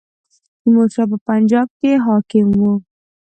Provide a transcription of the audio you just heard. تیمور شاه په پنجاب کې حاکم وو.